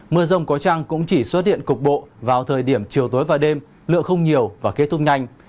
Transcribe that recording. mưa rông có trăng cũng chỉ xuất hiện cục bộ vào thời điểm chiều tối và đêm lượng không nhiều và kết thúc nhanh